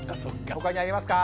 他にありますか？